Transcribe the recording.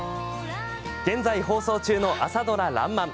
現在放送中の朝ドラ「らんまん」。